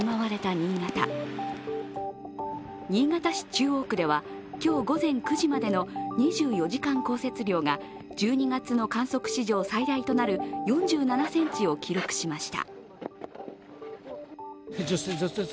新潟市中央区では今日午前９時までの２４時間降雪量が１２月の観測史上最大となる４７ｃｍを記録しました。